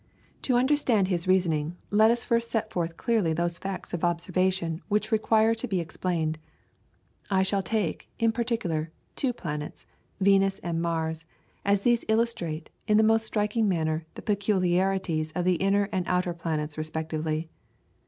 To understand his reasoning, let us first set forth clearly those facts of observation which require to be explained. I shall take, in particular, two planets, Venus and Mars, as these illustrate, in the most striking manner, the peculiarities of the inner and the outer planets respectively.